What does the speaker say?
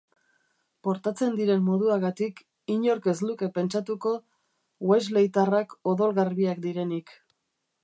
Portatzen diren moduagatik, inork ez luke pentsatuko Weasleytarrak odolgarbiak direnik.